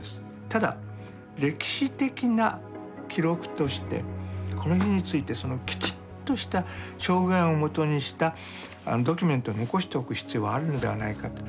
ただ歴史的な記録としてこの日についてきちっとした証言をもとにしたドキュメントを残しておく必要があるのではないかと。